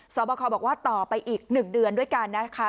บคบอกว่าต่อไปอีก๑เดือนด้วยกันนะคะ